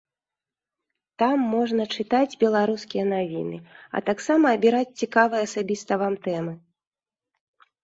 Там можна чытаць беларускія навіны, а таксама абіраць цікавыя асабіста вам тэмы.